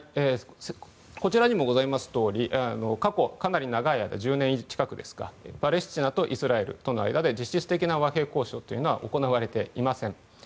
こちらにもございますとおり過去、かなり長い間１０年近くパレスチナとイスラエルとの間で実質的な和平交渉は行われていません。